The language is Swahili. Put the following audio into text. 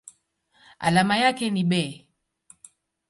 Alama yake ni Be.